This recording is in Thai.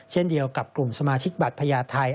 เช่นเดียวกับกลุ่มสมาชิกบัตรพญาไทย